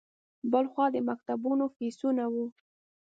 بل خوا د مکتبونو فیسونه وو.